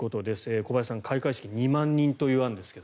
小林さん、開会式２万人という案ですけれど。